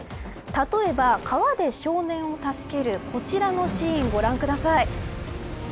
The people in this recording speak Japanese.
例えば、川で少年を助けるこちらのシーン、ご覧ください。